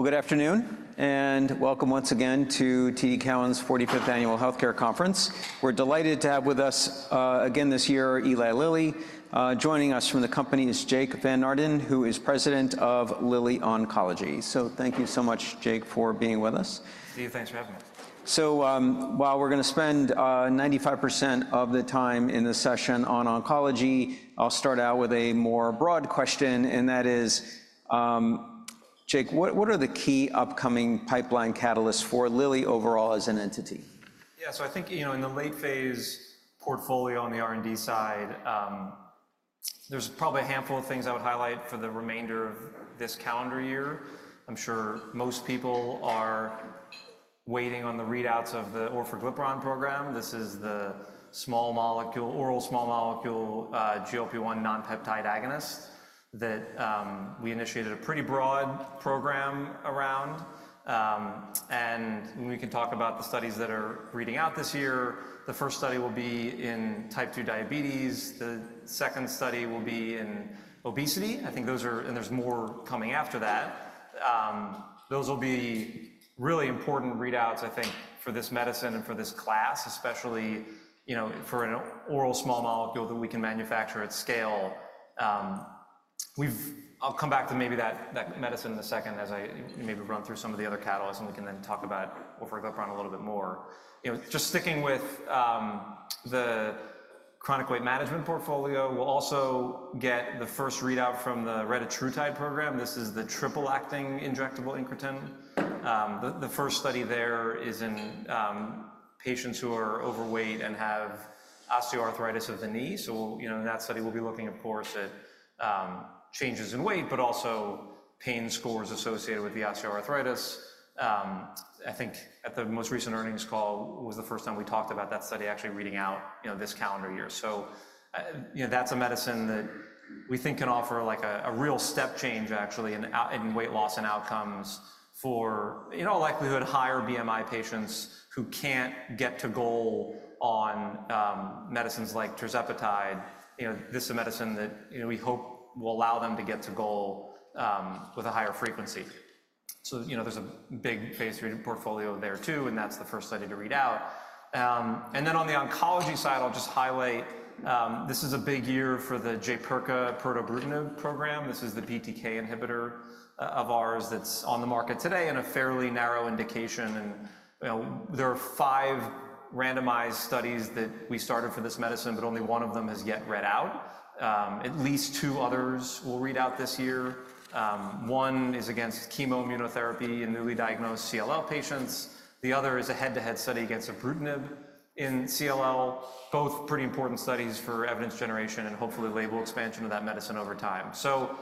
Good afternoon, and welcome once again to TD Cowen's 45th Annual Healthcare Conference. We're delighted to have with us again this year Eli Lilly. Joining us from the company is Jake Van Naarden, who is President of Lilly Oncology. Thank you so much, Jake, for being with us. Thank you. Thanks for having me. While we're going to spend 95% of the time in this session on oncology, I'll start out with a more broad question, and that is, Jake, what are the key upcoming pipeline catalysts for Lilly overall as an entity? Yeah, so I think, you know, in the late phase portfolio on the R&D side, there's probably a handful of things I would highlight for the remainder of this calendar year. I'm sure most people are waiting on the readouts of the Orforglipron program. This is the small molecule, oral small molecule, GLP-1 non-peptide agonist that we initiated a pretty broad program around. And we can talk about the studies that are reading out this year. The first study will be in type 2 diabetes. The second study will be in obesity. I think those are, and there's more coming after that. Those will be really important readouts, I think, for this medicine and for this class, especially, you know, for an oral small molecule that we can manufacture at scale. I'll come back to maybe that medicine in a second as I maybe run through some of the other catalysts, and we can then talk about Orforglipron a little bit more. You know, just sticking with the chronic weight management portfolio, we'll also get the first readout from the Retatrutide program. This is the triple-acting injectable incretin. The first study there is in patients who are overweight and have osteoarthritis of the knee. So, you know, in that study, we'll be looking, of course, at changes in weight, but also pain scores associated with the osteoarthritis. I think at the most recent earnings call was the first time we talked about that study actually reading out, you know, this calendar year. So, you know, that's a medicine that we think can offer like a real step change, actually, in weight loss and outcomes for, in all likelihood, higher BMI patients who can't get to goal on medicines like Tirzepatide. You know, this is a medicine that, you know, we hope will allow them to get to goal with a higher frequency. So, you know, there's a big phase three portfolio there too, and that's the first study to read out. And then on the oncology side, I'll just highlight, this is a big year for the Jaypirca pirtobrutinib program. This is the BTK inhibitor of ours that's on the market today and a fairly narrow indication. And, you know, there are five randomized studies that we started for this medicine, but only one of them has yet read out. At least two others will read out this year. One is against chemoimmunotherapy in newly diagnosed CLL patients. The other is a head-to-head study against ibrutinib in CLL, both pretty important studies for evidence generation and hopefully label expansion of that medicine over time. So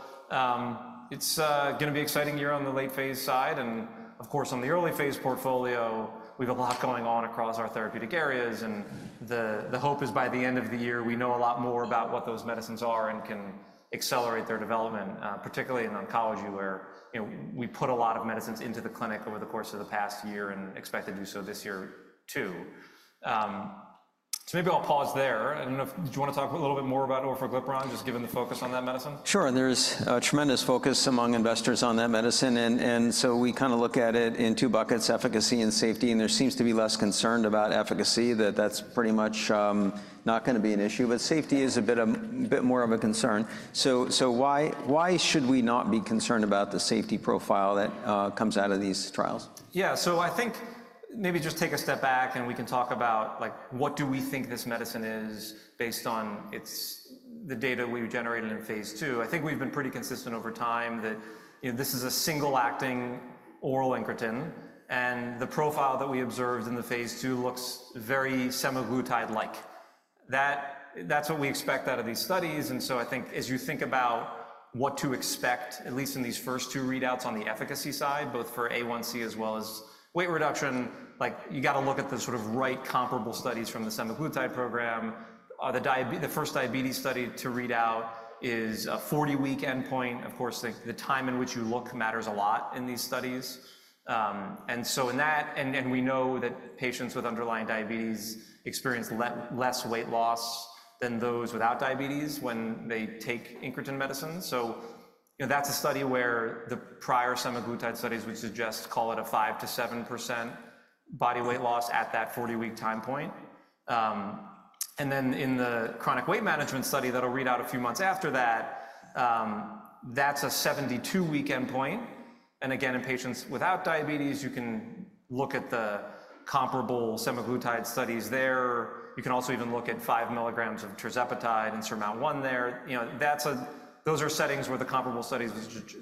it's going to be an exciting year on the late phase side. And of course, on the early phase portfolio, we've a lot going on across our therapeutic areas. And the hope is by the end of the year, we know a lot more about what those medicines are and can accelerate their development, particularly in oncology, where, you know, we put a lot of medicines into the clinic over the course of the past year and expect to do so this year too. So maybe I'll pause there. I don't know if, did you want to talk a little bit more about Orforglipron, just given the focus on that medicine? Sure. There's tremendous focus among investors on that medicine. And so we kind of look at it in two buckets: efficacy and safety. And there seems to be less concern about efficacy, that that's pretty much not going to be an issue. But safety is a bit more of a concern. So why should we not be concerned about the safety profile that comes out of these trials? Yeah, so I think maybe just take a step back and we can talk about, like, what do we think this medicine is based on the data we've generated in phase 2. I think we've been pretty consistent over time that, you know, this is a single-acting oral incretin, and the profile that we observed in the phase 2 looks very semaglutide-like. That's what we expect out of these studies, and so I think as you think about what to expect, at least in these first two readouts on the efficacy side, both for A1C as well as weight reduction, like, you got to look at the sort of right comparable studies from the semaglutide program. The first diabetes study to read out is a 40-week endpoint. Of course, the time in which you look matters a lot in these studies. And so in that, and we know that patients with underlying diabetes experience less weight loss than those without diabetes when they take incretin medicine. So, you know, that's a study where the prior semaglutide studies would suggest call it a 5%-7% body weight loss at that 40-week time point. And then in the chronic weight management study that'll read out a few months after that, that's a 72-week endpoint. And again, in patients without diabetes, you can look at the comparable semaglutide studies there. You can also even look at 5 milligrams of Tirzepatide and SURMOUNT-1 there. You know, those are settings where the comparable studies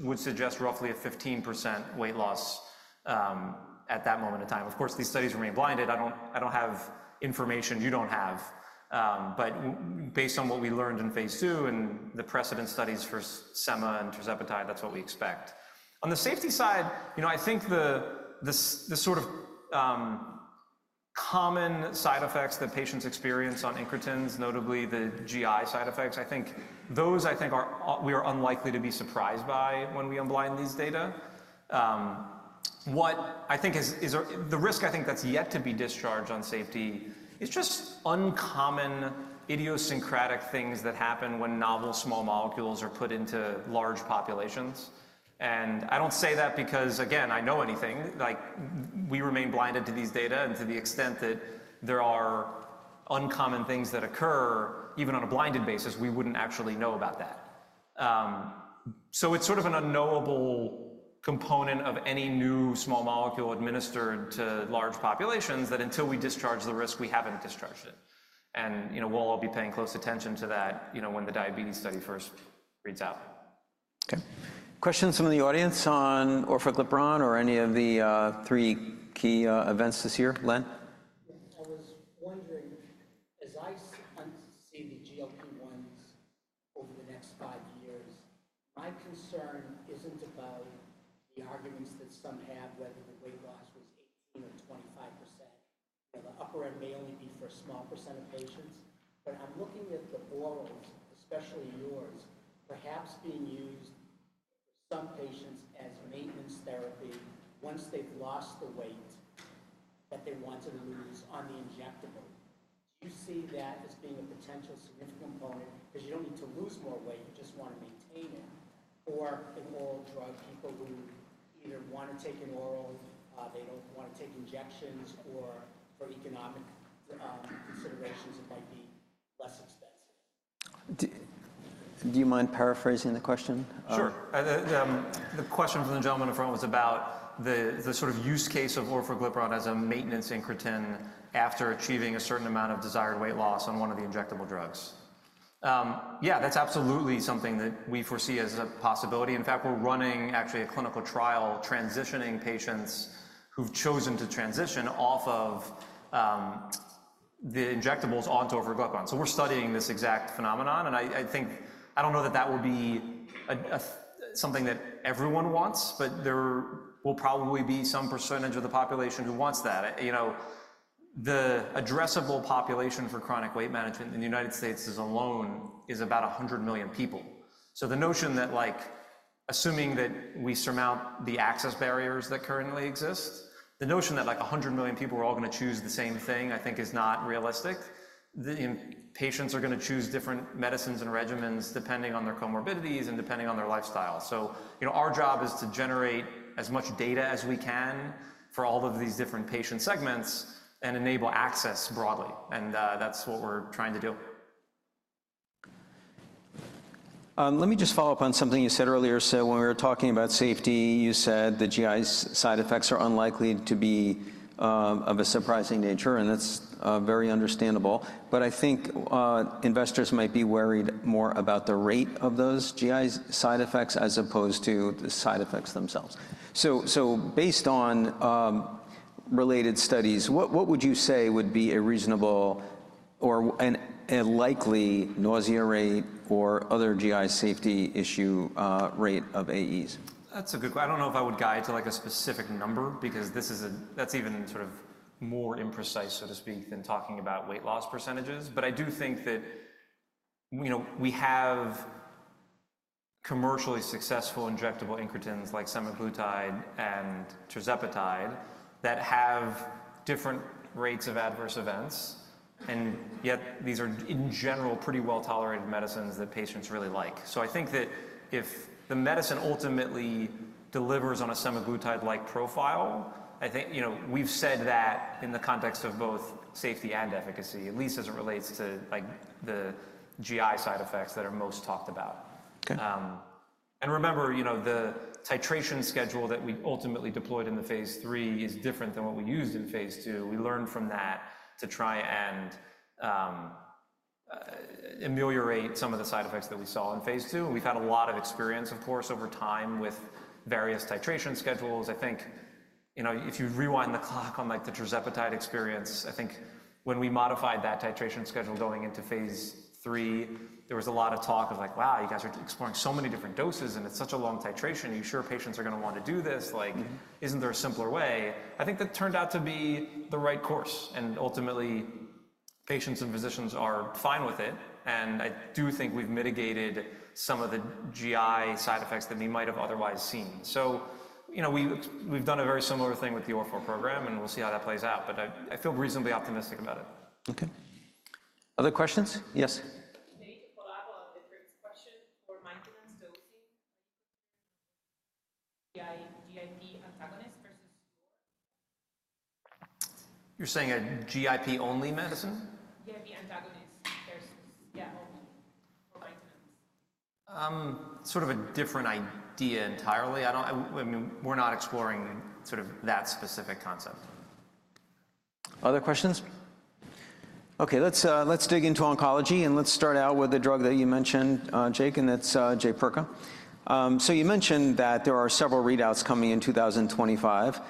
would suggest roughly a 15% weight loss at that moment in time. Of course, these studies remain blinded. I don't have information you don't have. But based on what we learned in phase two and the precedent studies for Sema and Tirzepatide, that's what we expect. On the safety side, you know, I think the sort of common side effects that patients experience on incretins, notably the GI side effects, I think those, I think, we are unlikely to be surprised by when we unblind these data. What I think is the risk, I think that's yet to be discharged on safety is just uncommon idiosyncratic things that happen when novel small molecules are put into large populations. And I don't say that because, again, I know anything. Like, we remain blinded to these data, and to the extent that there are uncommon things that occur, even on a blinded basis, we wouldn't actually know about that. It's sort of an unknowable component of any new small molecule administered to large populations that until we discharge the risk, we haven't discharged it. You know, we'll all be paying close attention to that, you know, when the diabetes study first reads out. Okay. Questions from the audience on Orforglipron or any of the three key events this year, Len? I was wondering, as I see the GLP-1s over the next five years, my concern isn't about the arguments that some have whether the weight loss was 18% or 25%. You know, the upper end may only be for a small percent of patients. But I'm looking at the orals, especially yours, perhaps being used for some patients as maintenance therapy once they've lost the weight that they wanted to lose on the injectable. Do you see that as being a potential significant component? Because you don't need to lose more weight, you just want to maintain it. Or an oral drug, people who either want to take an oral, they don't want to take injections, or for economic considerations, it might be less expensive. Do you mind paraphrasing the question? Sure. The question from the gentleman in front was about the sort of use case of Orforglipron as a maintenance incretin after achieving a certain amount of desired weight loss on one of the injectable drugs. Yeah, that's absolutely something that we foresee as a possibility. In fact, we're running actually a clinical trial transitioning patients who've chosen to transition off of the injectables onto Orforglipron. So we're studying this exact phenomenon. And I think, I don't know that that will be something that everyone wants, but there will probably be some percentage of the population who wants that. You know, the addressable population for chronic weight management in the United States alone is about 100 million people. So the notion that, like, assuming that we surmount the access barriers that currently exist, the notion that like 100 million people are all going to choose the same thing, I think is not realistic. Patients are going to choose different medicines and regimens depending on their comorbidities and depending on their lifestyle. So, you know, our job is to generate as much data as we can for all of these different patient segments and enable access broadly. And that's what we're trying to do. Let me just follow up on something you said earlier. So when we were talking about safety, you said the GI side effects are unlikely to be of a surprising nature, and that's very understandable. But I think investors might be worried more about the rate of those GI side effects as opposed to the side effects themselves. So based on related studies, what would you say would be a reasonable or a likely nausea rate or other GI safety issue rate of AEs? That's a good question. I don't know if I would guide to like a specific number because this is a, that's even sort of more imprecise, so to speak, than talking about weight loss percentages. But I do think that, you know, we have commercially successful injectable incretins like semaglutide and Tirzepatide that have different rates of adverse events. And yet these are, in general, pretty well tolerated medicines that patients really like. So I think that if the medicine ultimately delivers on a semaglutide-like profile, I think, you know, we've said that in the context of both safety and efficacy, at least as it relates to like the GI side effects that are most talked about. And remember, you know, the titration schedule that we ultimately deployed in the phase three is different than what we used in phase two. We learned from that to try and ameliorate some of the side effects that we saw in phase two. We've had a lot of experience, of course, over time with various titration schedules. I think, you know, if you rewind the clock on like the Tirzepatide experience, I think when we modified that titration schedule going into phase three, there was a lot of talk of like, wow, you guys are exploring so many different doses and it's such a long titration. Are you sure patients are going to want to do this? Like, isn't there a simpler way? I think that turned out to be the right course. And ultimately, patients and physicians are fine with it. And I do think we've mitigated some of the GI side effects that we might have otherwise seen. So, you know, we've done a very similar thing with the Orforglipron program, and we'll see how that plays out. But I feel reasonably optimistic about it. Okay. Other questions? Yes. May I just elaborate on a different question for maintenance dosing? GIP antagonist versus GIP? You're saying a GIP-only medicine? GIP antagonist versus, yeah, only for maintenance. Sort of a different idea entirely. I mean, we're not exploring sort of that specific concept. Other questions? Okay, let's dig into oncology, and let's start out with the drug that you mentioned, Jake, and that's Jaypirca. So you mentioned that there are several readouts coming in 2025.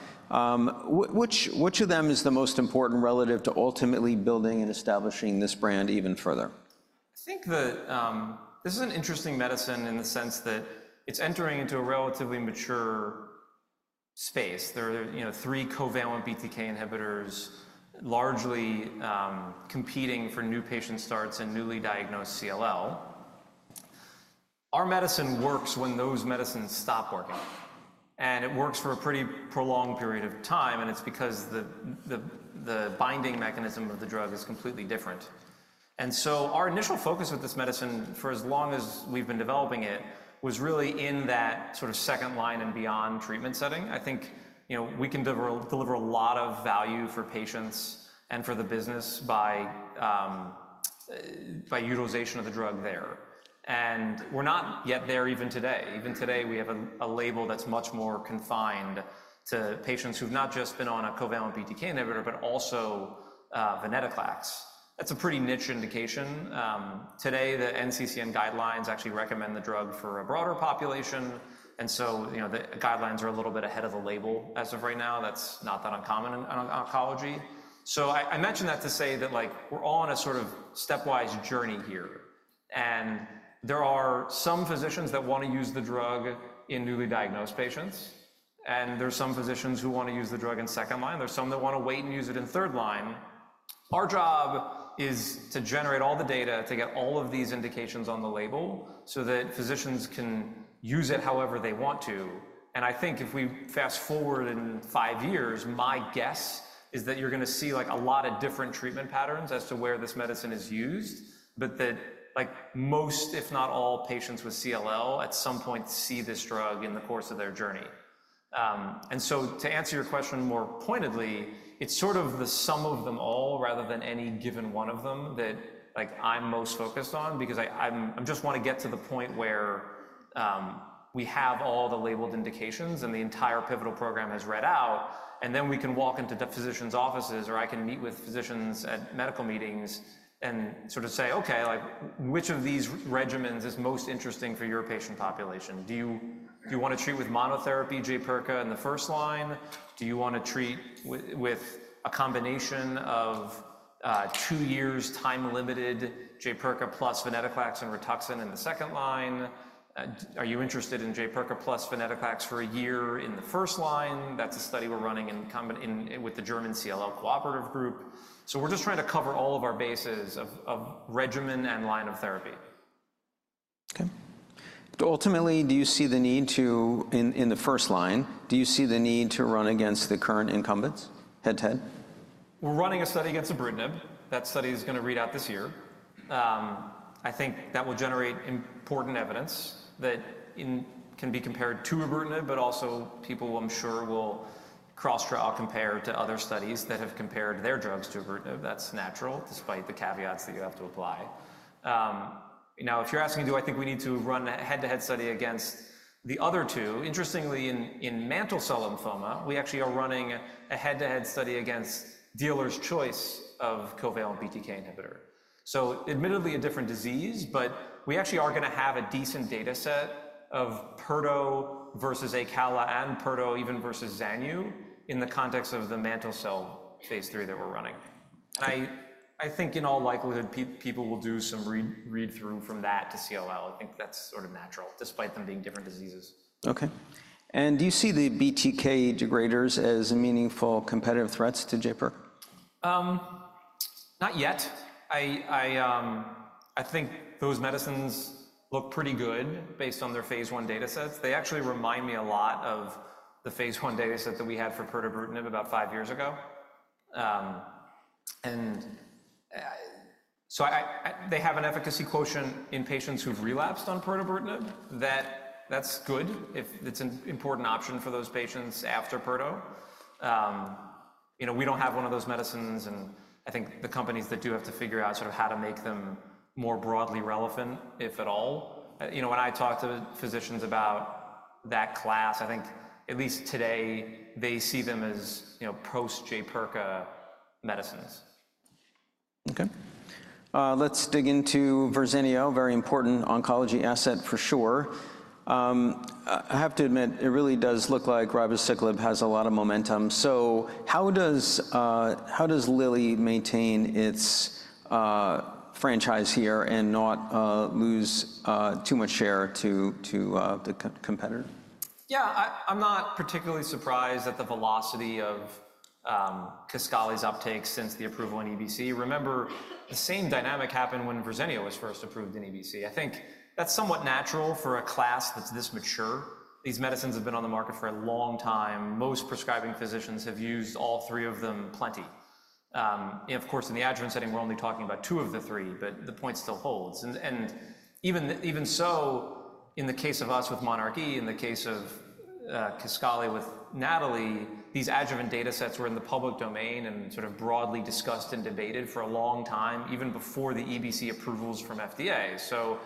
Which of them is the most important relative to ultimately building and establishing this brand even further? I think that this is an interesting medicine in the sense that it's entering into a relatively mature space. There are, you know, three covalent BTK inhibitors largely competing for new patient starts and newly diagnosed CLL. Our medicine works when those medicines stop working. And it works for a pretty prolonged period of time, and it's because the binding mechanism of the drug is completely different. And so our initial focus with this medicine, for as long as we've been developing it, was really in that sort of second line and beyond treatment setting. I think, you know, we can deliver a lot of value for patients and for the business by utilization of the drug there. And we're not yet there even today. Even today, we have a label that's much more confined to patients who've not just been on a covalent BTK inhibitor, but also venetoclax. That's a pretty niche indication. Today, the NCCN guidelines actually recommend the drug for a broader population. And so, you know, the guidelines are a little bit ahead of the label as of right now. That's not that uncommon in oncology. So I mentioned that to say that, like, we're all on a sort of stepwise journey here. And there are some physicians that want to use the drug in newly diagnosed patients. And there are some physicians who want to use the drug in second line. There are some that want to wait and use it in third line. Our job is to generate all the data to get all of these indications on the label so that physicians can use it however they want to. I think if we fast forward five years, my guess is that you're going to see like a lot of different treatment patterns as to where this medicine is used, but that like most, if not all, patients with CLL at some point see this drug in the course of their journey. So to answer your question more pointedly, it's sort of the sum of them all rather than any given one of them that like I'm most focused on because I just want to get to the point where we have all the labeled indications and the entire pivotal program has read out, and then we can walk into physicians' offices or I can meet with physicians at medical meetings and sort of say, okay, like which of these regimens is most interesting for your patient population? Do you want to treat with monotherapy Jaypirca in the first line? Do you want to treat with a combination of two years time-limited Jaypirca plus venetoclax and Rituxan in the second line? Are you interested in Jaypirca plus venetoclax for a year in the first line? That's a study we're running with the German CLL Cooperative Group. So we're just trying to cover all of our bases of regimen and line of therapy. Okay. Ultimately, do you see the need to, in the first line, do you see the need to run against the current incumbents head-to-head? We're running a study against Ibrutinib. That study is going to read out this year. I think that will generate important evidence that can be compared to Ibrutinib, but also people, I'm sure, will cross-trial compare to other studies that have compared their drugs to Ibrutinib. That's natural, despite the caveats that you have to apply. Now, if you're asking, do I think we need to run a head-to-head study against the other two, interestingly, in mantle cell lymphoma, we actually are running a head-to-head study against dealer's choice of covalent BTK inhibitor. So admittedly a different disease, but we actually are going to have a decent data set of pirto versus Acala and pirto even versus Zanu in the context of the mantle cell phase 3 that we're running. And I think in all likelihood, people will do some read-through from that to CLL. I think that's sort of natural, despite them being different diseases. Okay. And do you see the BTK degraders as meaningful competitive threats to Jaypirca? Not yet. I think those medicines look pretty good based on their phase one data sets. They actually remind me a lot of the phase one data set that we had for pirtobrutinib about five years ago, and so they have an efficacy quotient in patients who've relapsed on pirtobrutinib that's good if it's an important option for those patients after pirto. You know, we don't have one of those medicines, and I think the companies that do have to figure out sort of how to make them more broadly relevant, if at all. You know, when I talk to physicians about that class, I think at least today they see them as, you know, post-Jaypirca medicines. Okay. Let's dig into Verzenio, very important oncology asset for sure. I have to admit, it really does look like ribociclib has a lot of momentum. So how does Lilly maintain its franchise here and not lose too much share to the competitor? Yeah, I'm not particularly surprised at the velocity of Kisqali's uptake since the approval in EBC. Remember, the same dynamic happened when Verzenio was first approved in EBC. I think that's somewhat natural for a class that's this mature. These medicines have been on the market for a long time. Most prescribing physicians have used all three of them plenty. And of course, in the adjuvant setting, we're only talking about two of the three, but the point still holds. And even so, in the case of us with monarchE, in the case of Kisqali with NATALEE, these adjuvant data sets were in the public domain and sort of broadly discussed and debated for a long time, even before the EBC approvals from FDA. So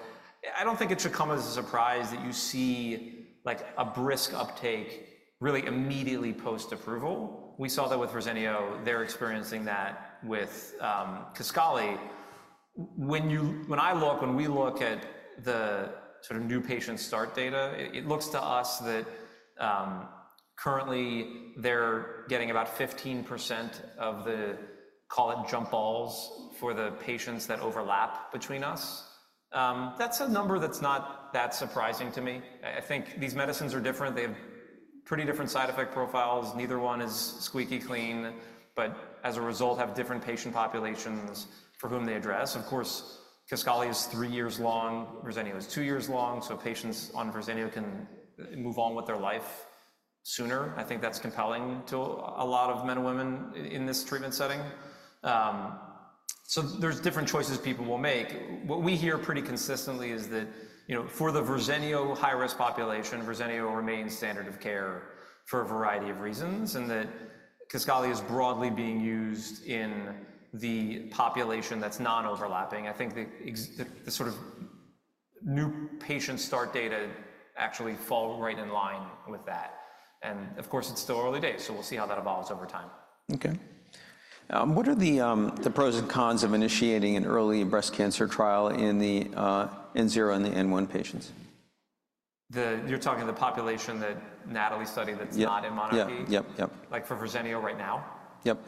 I don't think it should come as a surprise that you see like a brisk uptake really immediately post-approval. We saw that with Verzenio. They're experiencing that with Kisqali. When I look, when we look at the sort of new patient start data, it looks to us that currently they're getting about 15% of the, call it jump balls for the patients that overlap between us. That's a number that's not that surprising to me. I think these medicines are different. They have pretty different side effect profiles. Neither one is squeaky clean, but as a result, have different patient populations for whom they address. Of course, Kisqali is three years long. Verzenio is two years long. So patients on Verzenio can move on with their life sooner. I think that's compelling to a lot of men and women in this treatment setting. So there's different choices people will make. What we hear pretty consistently is that, you know, for the Verzenio high-risk population, Verzenio remains standard of care for a variety of reasons and that Kisqali is broadly being used in the population that's non-overlapping. I think the sort of new patient start data actually fall right in line with that. And of course, it's still early days. So we'll see how that evolves over time. Okay. What are the pros and cons of initiating an early breast cancer trial in the N0 and the N1 patients? You're talking the population that NATALEE studied that's not in monarchE? Yep, yep, yep. Like for Verzenio right now? Yep.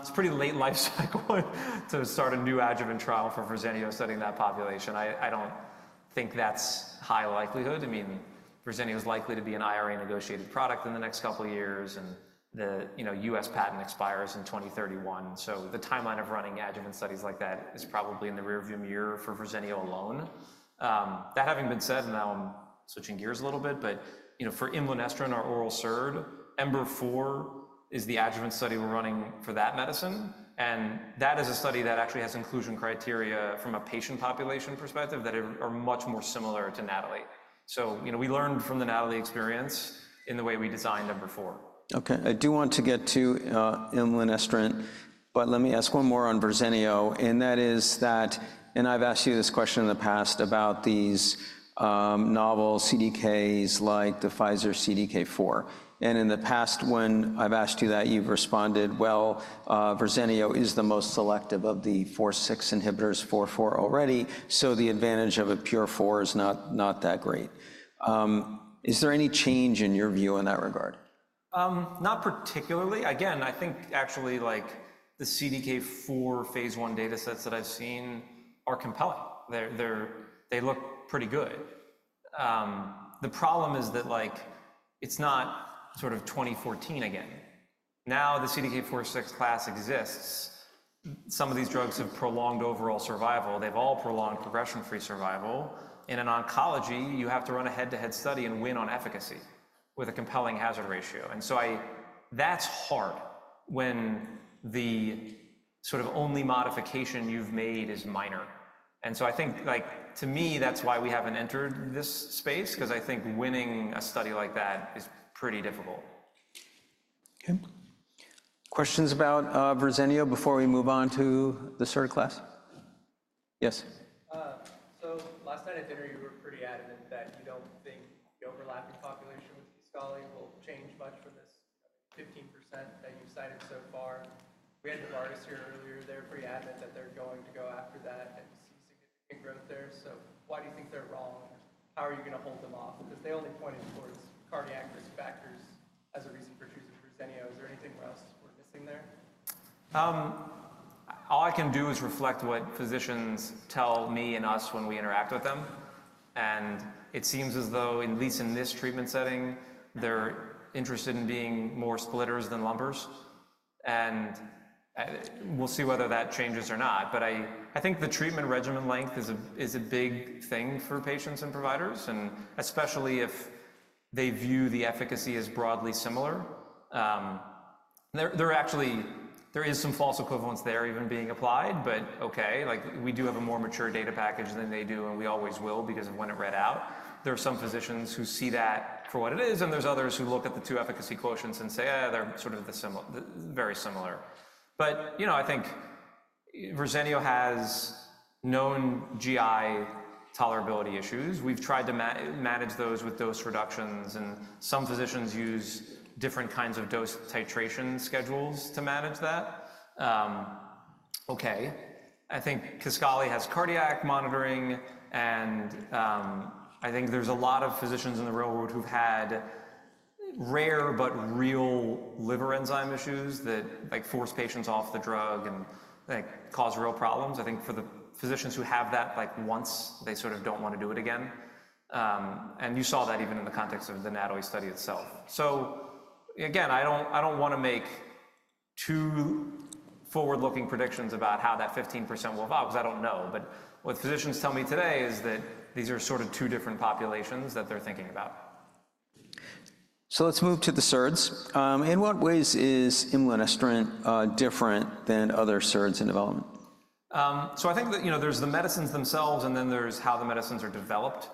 It's a pretty late life cycle to start a new adjuvant trial for Verzenio studying that population. I don't think that's high likelihood. I mean, Verzenio is likely to be an IRA negotiated product in the next couple of years. And the, you know, U.S. patent expires in 2031. So the timeline of running adjuvant studies like that is probably in the rearview mirror for Verzenio alone. That having been said, now I'm switching gears a little bit, but you know, for imlunestrant, our oral SERD, EMBER-4 is the adjuvant study we're running for that medicine. And that is a study that actually has inclusion criteria from a patient population perspective that are much more similar to NATALEE. So, you know, we learned from the NATALEE experience in the way we designed EMBER-4. Okay. I do want to get to imlunestrant, but let me ask one more on Verzenio. And that is that, and I've asked you this question in the past about these novel CDKs like the Pfizer CDK4. And in the past, when I've asked you that, you've responded, well, Verzenio is the most selective of the CDK4/6 inhibitors for CDK4 already. So the advantage of a pure CDK4 is not that great. Is there any change in your view in that regard? Not particularly. Again, I think actually like the CDK4 phase one data sets that I've seen are compelling. They look pretty good. The problem is that like it's not sort of 2014 again. Now the CDK4/6 class exists. Some of these drugs have prolonged overall survival. They've all prolonged progression-free survival. In oncology, you have to run a head-to-head study and win on efficacy with a compelling hazard ratio. And so that's hard when the sort of only modification you've made is minor. And so I think like to me, that's why we haven't entered this space because I think winning a study like that is pretty difficult. Okay. Questions about Verzenio before we move on to the SERD class? Yes. Last night at dinner, you were pretty adamant that you don't think the overlapping population with Kisqali will change much from this 15% that you've cited so far. We had Novartis here earlier. They're pretty adamant that they're going to go after that and see significant growth there. Why do you think they're wrong? How are you going to hold them off? Because they only pointed towards cardiac risk factors as a reason for choosing Verzenio. Is there anything else we're missing there? All I can do is reflect what physicians tell me and us when we interact with them. And it seems as though, at least in this treatment setting, they're interested in being more splitters than lumpers. And we'll see whether that changes or not. But I think the treatment regimen length is a big thing for patients and providers, and especially if they view the efficacy as broadly similar. There actually is some false equivalence there even being applied, but okay, like we do have a more mature data package than they do, and we always will because of when it read out. There are some physicians who see that for what it is, and there's others who look at the two efficacy quotients and say, they're sort of very similar. But, you know, I think Verzenio has known GI tolerability issues. We've tried to manage those with dose reductions, and some physicians use different kinds of dose titration schedules to manage that. Okay. I think Kisqali has cardiac monitoring, and I think there's a lot of physicians in the real world who've had rare but real liver enzyme issues that like force patients off the drug and like cause real problems. I think for the physicians who have that like once, they sort of don't want to do it again. And you saw that even in the context of the NATALEE study itself. So again, I don't want to make too forward-looking predictions about how that 15% will evolve because I don't know. But what physicians tell me today is that these are sort of two different populations that they're thinking about. So let's move to the SERDs. In what ways is Imlunestrant different than other SERDs in development? So I think that, you know, there's the medicines themselves, and then there's how the medicines are developed.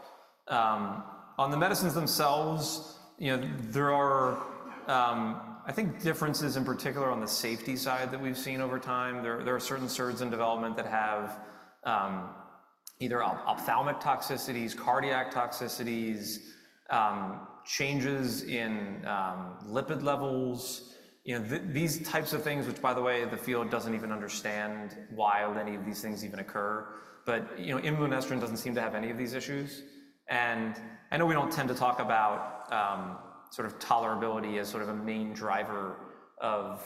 On the medicines themselves, you know, there are, I think, differences in particular on the safety side that we've seen over time. There are certain SERDs in development that have either ophthalmic toxicities, cardiac toxicities, changes in lipid levels, you know, these types of things, which by the way, the field doesn't even understand why many of these things even occur. But, you know, imlunestrant doesn't seem to have any of these issues. I know we don't tend to talk about sort of tolerability as sort of a main driver of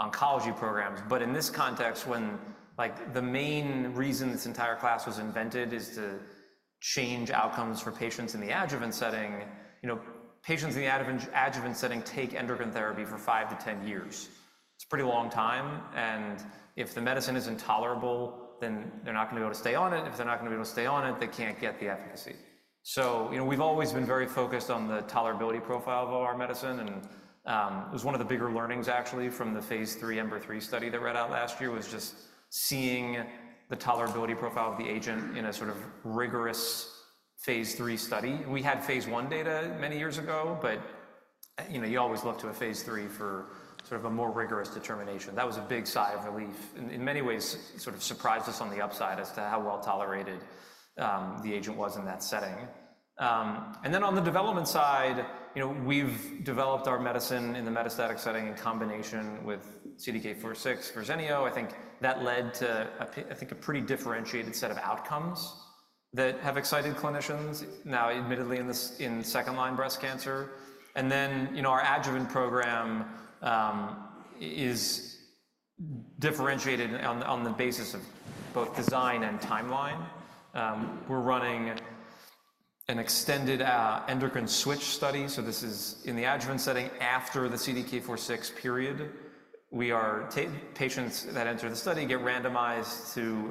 oncology programs, but in this context, when like the main reason this entire class was invented is to change outcomes for patients in the adjuvant setting, you know, patients in the adjuvant setting take endocrine therapy for five to 10 years. It's a pretty long time. If the medicine is intolerable, then they're not going to be able to stay on it. If they're not going to be able to stay on it, they can't get the efficacy. You know, we've always been very focused on the tolerability profile of our medicine. It was one of the bigger learnings, actually, from the phase 3 EMBER-3 study that read out last year. It was just seeing the tolerability profile of the agent in a sort of rigorous phase 3 study. We had phase 1 data many years ago, but, you know, you always look to a phase 3 for sort of a more rigorous determination. That was a big sigh of relief. In many ways, it sort of surprised us on the upside as to how well tolerated the agent was in that setting. Then on the development side, you know, we've developed our medicine in the metastatic setting in combination with CDK4/6, Verzenio. I think that led to, I think, a pretty differentiated set of outcomes that have excited clinicians now, admittedly, in second-line breast cancer. And then, you know, our adjuvant program is differentiated on the basis of both design and timeline. We're running an extended endocrine switch study. So this is in the adjuvant setting after the CDK4/6 period. We are patients that enter the study get randomized to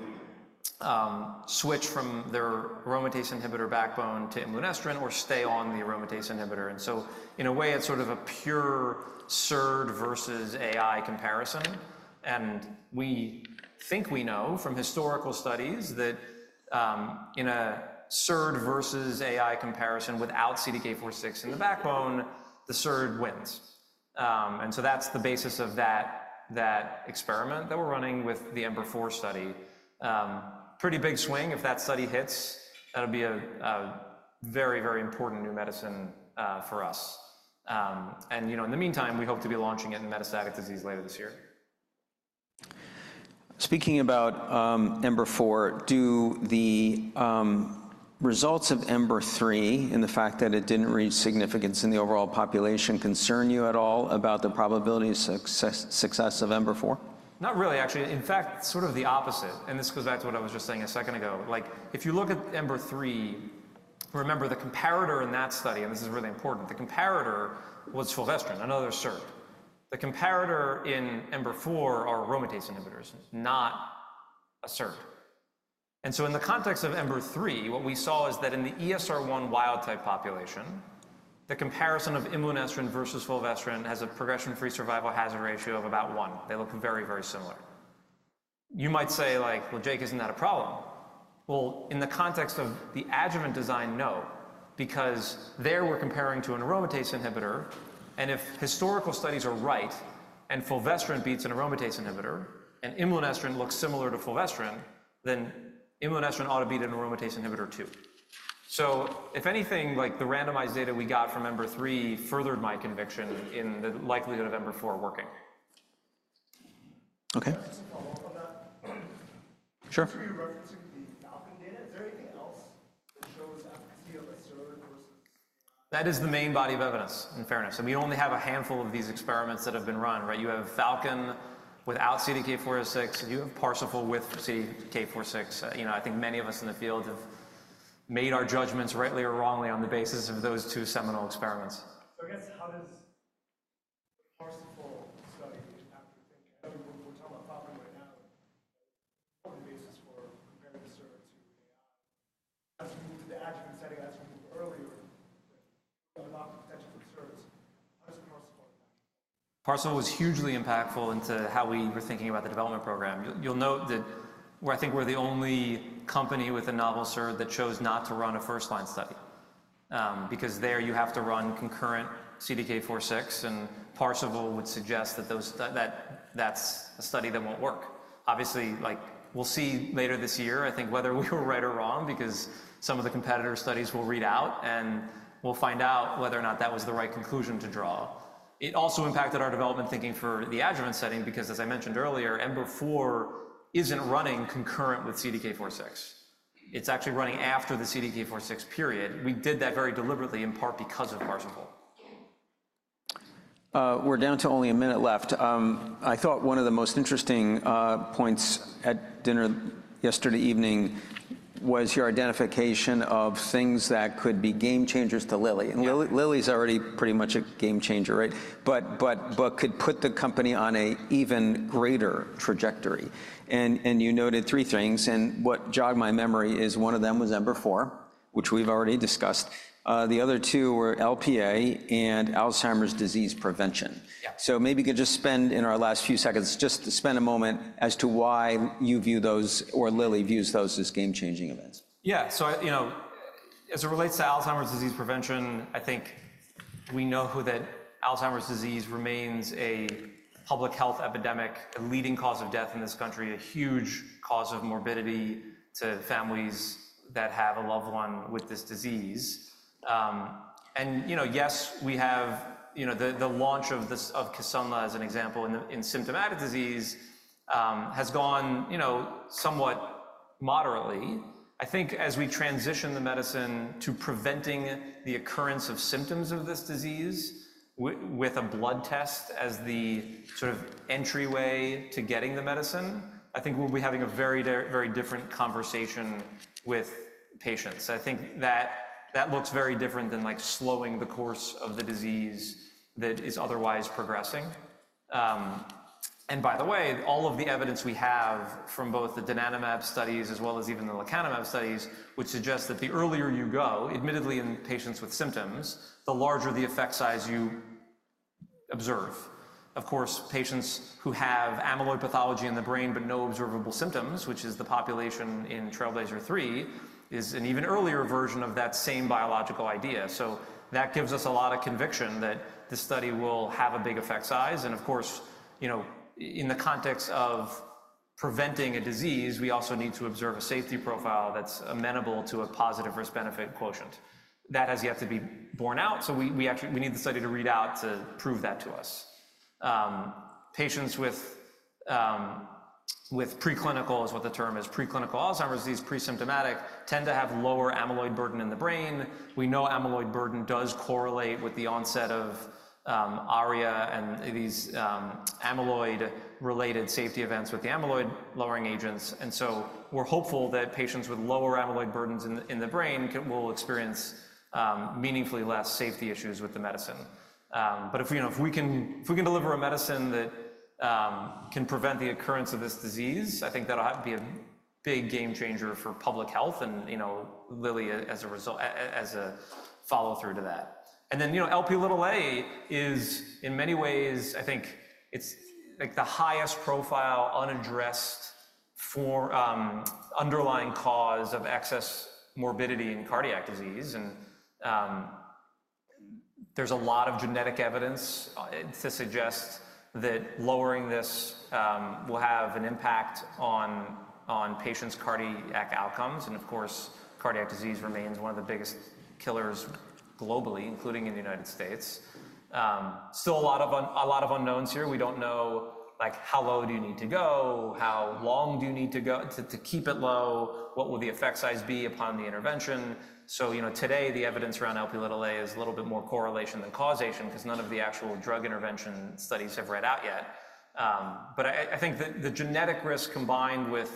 switch from their aromatase inhibitor backbone to imlunestrant or stay on the aromatase inhibitor. And so, in a way, it's sort of a pure SERD versus AI comparison. And we think we know from historical studies that in a SERD versus AI comparison without CDK4/6 in the backbone, the SERD wins. And so that's the basis of that experiment that we're running with the EMBER-4 study. Pretty big swing. If that study hits, that'll be a very, very important new medicine for us. And, you know, in the meantime, we hope to be launching it in metastatic disease later this year. Speaking about EMBER-4, do the results of EMBER-3 and the fact that it didn't reach significance in the overall population concern you at all about the probability of success of EMBER-4? Not really, actually. In fact, sort of the opposite. And this goes back to what I was just saying a second ago. Like if you look at EMBER-3, remember the comparator in that study, and this is really important, the comparator was fulvestrant, another SERD. The comparator in EMBER-4 are aromatase inhibitors, not a SERD. And so in the context of EMBER-3, what we saw is that in the ESR1 wild type population, the comparison of imlunestrant versus fulvestrant has a progression-free survival hazard ratio of about one. They look very, very similar. You might say like, well, Jake, isn't that a problem? Well, in the context of the adjuvant design, no, because there we're comparing to an aromatase inhibitor. And if historical studies are right and fulvestrant beats an aromatase inhibitor and imlunestrant looks similar to fulvestrant, then imlunestrant ought to beat an aromatase inhibitor too. So if anything, like the randomized data we got from EMBER-3 furthered my conviction in the likelihood of EMBER-4 working. Okay. Sure. Are you referencing the FALCON data? Is there anything else that shows efficacy of a SERD versus AI? That is the main body of evidence, in fairness. And we only have a handful of these experiments that have been run, right? You have FALCON without CDK4/6. You have PARSIFAL with CDK4/6. You know, I think many of us in the field have made our judgments rightly or wrongly on the basis of those two seminal experiments. So I guess how does the PARSIFAL study impact your thinking? We're talking about FALCON right now. What were the basis for comparing the SERD to AI? As we move to the adjuvant setting, as we move earlier, the potential for SERDs, how does PARSIFAL impact your thinking? PARSIFAL was hugely impactful into how we were thinking about the development program. You'll note that I think we're the only company with a novel SERD that chose not to run a first-line study because there you have to run concurrent CDK4/6. PARSIFAL would suggest that that's a study that won't work. Obviously, like we'll see later this year, I think, whether we were right or wrong because some of the competitor studies will read out and we'll find out whether or not that was the right conclusion to draw. It also impacted our development thinking for the adjuvant setting because, as I mentioned earlier, EMBER-4 isn't running concurrent with CDK4/6. It's actually running after the CDK4/6 period. We did that very deliberately, in part because of PARSIFAL. We're down to only a minute left. I thought one of the most interesting points at dinner yesterday evening was your identification of things that could be game changers to Lilly, and Lilly's already pretty much a game changer, right, but could put the company on an even greater trajectory, and you noted three things, and what jogged my memory is one of them was EMBER-4, which we've already discussed. The other two were Lp(a) and Alzheimer's disease prevention, so maybe you could just spend in our last few seconds, just spend a moment as to why you view those, or Lilly views those as game-changing events. Yeah. So, you know, as it relates to Alzheimer's disease prevention, I think we know that Alzheimer's disease remains a public health epidemic, a leading cause of death in this country, a huge cause of morbidity to families that have a loved one with this disease. And, you know, yes, we have, you know, the launch of Kisunla as an example in symptomatic disease has gone, you know, somewhat moderately. I think as we transition the medicine to preventing the occurrence of symptoms of this disease with a blood test as the sort of entryway to getting the medicine, I think we'll be having a very, very different conversation with patients. I think that that looks very different than like slowing the course of the disease that is otherwise progressing. And by the way, all of the evidence we have from both the donanemab studies as well as even the lecanemab studies, which suggests that the earlier you go, admittedly in patients with symptoms, the larger the effect size you observe. Of course, patients who have amyloid pathology in the brain but no observable symptoms, which is the population in TRAILBLAZER-ALZ 3, is an even earlier version of that same biological idea. So that gives us a lot of conviction that this study will have a big effect size. And of course, you know, in the context of preventing a disease, we also need to observe a safety profile that's amenable to a positive risk-benefit quotient. That has yet to be borne out. So we need the study to read out to prove that to us. Patients with preclinical, is what the term is, preclinical Alzheimer's disease, presymptomatic, tend to have lower amyloid burden in the brain. We know amyloid burden does correlate with the onset of ARIA and these amyloid-related safety events with the amyloid-lowering agents. And so we're hopeful that patients with lower amyloid burdens in the brain will experience meaningfully less safety issues with the medicine. But if we can deliver a medicine that can prevent the occurrence of this disease, I think that'll be a big game changer for public health and, you know, Lilly as a follow-through to that. And then, you know, Lp(a) is, in many ways, I think it's like the highest profile unaddressed underlying cause of excess morbidity in cardiac disease. And there's a lot of genetic evidence to suggest that lowering this will have an impact on patients' cardiac outcomes. Of course, cardiac disease remains one of the biggest killers globally, including in the United States. Still a lot of unknowns here. We don't know like how low do you need to go, how long do you need to keep it low, what will the effect size be upon the intervention? So, you know, today the evidence around Lp(a) is a little bit more correlation than causation because none of the actual drug intervention studies have read out yet. But I think the genetic risk combined with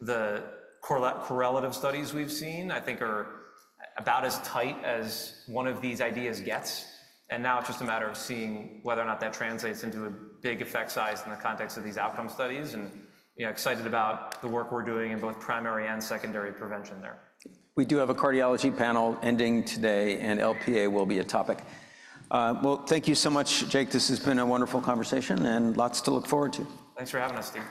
the correlative studies we've seen, I think are about as tight as one of these ideas gets. And now it's just a matter of seeing whether or not that translates into a big effect size in the context of these outcome studies. And, you know, excited about the work we're doing in both primary and secondary prevention there. We do have a cardiology panel ending today, and Lp(a) will be a topic. Thank you so much, Jake. This has been a wonderful conversation and lots to look forward to. Thanks for having us, Steve.